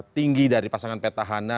tinggi dari pasangan petahana